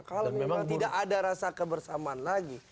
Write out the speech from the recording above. kalau memang tidak ada rasa kebersamaan lagi